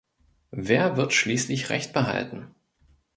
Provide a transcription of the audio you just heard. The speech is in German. Wer wird schließlich Recht behalten?